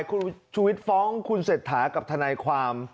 คุณชูวิทย์ฟ้องคุณเศรษฐากับทนายความ